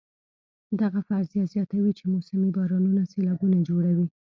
دغه فرضیه زیاتوي چې موسمي بارانونه سېلابونه جوړوي.